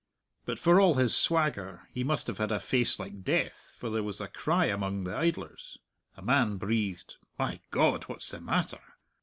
But for all his swagger he must have had a face like death, for there was a cry among the idlers. A man breathed, "My God! What's the matter?"